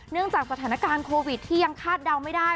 เนื่องจากประถานการณ์โควิดที่ยังคาดเดาไม่ได้